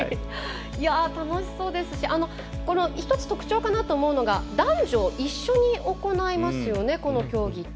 楽しそうですしこの１つ特徴かなと思うのが男女一緒に行いますよね、この競技って。